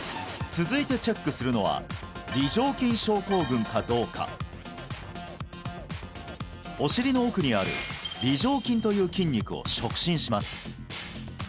続いてチェックするのは梨状筋症候群かどうかお尻の奥にある梨状筋という筋肉を触診します